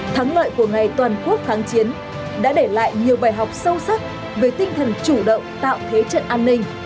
thắng lợi của ngày toàn quốc kháng chiến đã để lại nhiều bài học sâu sắc về tinh thần chủ động tạo thế trận an ninh